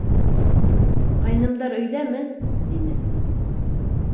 — Ҡайнымдар өйҙәме? — тине.